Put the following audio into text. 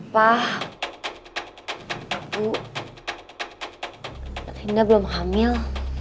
pak bu tinda belum hamil